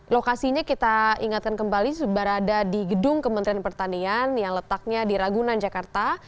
lokasinya kita ingatkan kembali berada di gedung kementerian pertanian yang letaknya di ragunan jakarta